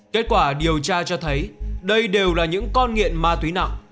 kết quả điều tra cho thấy đây đều là những con nghiện ma túy nặng